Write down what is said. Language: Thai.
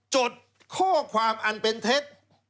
จดข้อความอันเป็นเท็จ